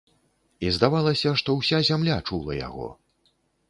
І здавалася, што ўся зямля чула яго.